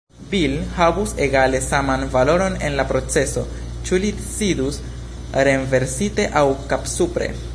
"Bil" havus egale saman valoron en la proceso, ĉu li sidus renversite aŭ kapsupre.